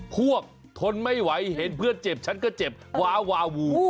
ทนไม่ไหวเห็นเพื่อนเจ็บฉันก็เจ็บว้าวาวู